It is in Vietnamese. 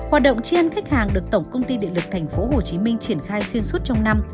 hoạt động triên khách hàng được tổng công ty địa lực tp hcm triển khai xuyên suốt trong năm